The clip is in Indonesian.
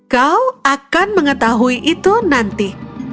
kau akan mengetahui itu nanti